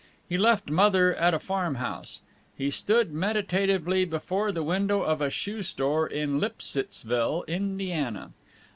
He left Mother at a farm house. He stood meditatively before the window of a shoe store in Lipsittsville, Indiana.